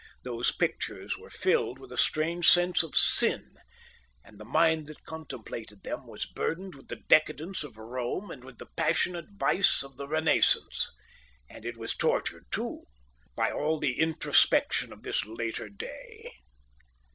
Those pictures were filled with a strange sense of sin, and the mind that contemplated them was burdened with the decadence of Rome and with the passionate vice of the Renaissance; and it was tortured, too, by all the introspection of this later day.